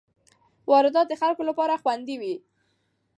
واردات د خلکو لپاره خوندي وي.